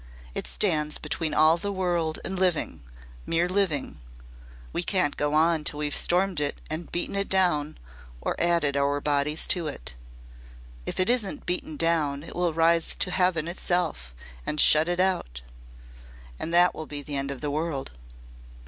It stands between all the world and living mere living. We can't go on till we've stormed it and beaten it down or added our bodies to it. If it isn't beaten down it will rise to heaven itself and shut it out and that will be the end of the world."